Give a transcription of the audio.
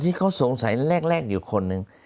ที่เขาสงสัยแรกอยู่คนหนึ่ง